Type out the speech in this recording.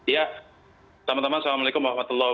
ya assalamualaikum wr wb